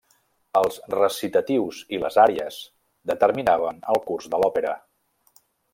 Els recitatius i les àries determinaven el curs de l'òpera.